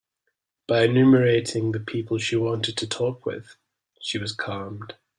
By enumerating the people she wanted to talk with, she was calmed.